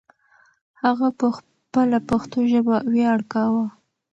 هغه په خپله پښتو ژبه ویاړ کاوه.